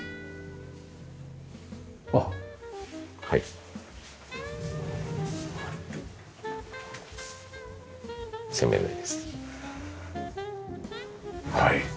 はい。